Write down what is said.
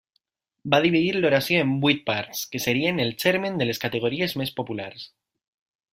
Va dividir l'oració en vuit parts, que serien el germen de les categories més populars.